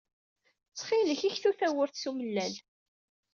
Ttxil-k ktu tawwurt s umellal.